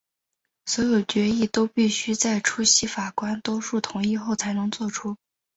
所有决议都必须在出席法官多数同意后才能做出。